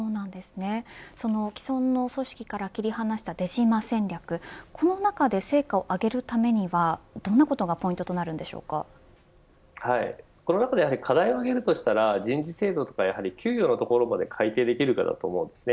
その既存の組織から切り離した出島戦略でこの中で成果をあげるためにはどんなことがこの中で課題を挙げるとしたら人事制度や給与のところまで改定できるかです。